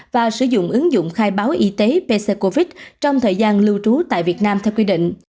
và sử dụng ứng dụng khai báo y tế pc covid trong thời gian lưu trú tại việt nam theo quy định